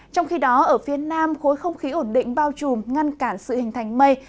trong khi đó ở phía nam khối không khí ổn định bao trùm ngăn cản sự hình thành mây